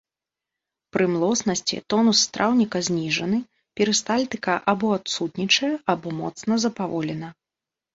Пры млоснасці тонус страўніка зніжаны, перыстальтыка або адсутнічае, або моцна запаволена.